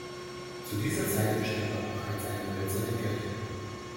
Zu dieser Zeit bestand auch bereits eine hölzerne Kirche.